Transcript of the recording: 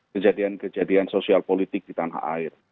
kejadian kejadian sosial politik di tanah air